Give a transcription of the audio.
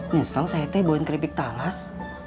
nyesel saya teh bawain keripik talas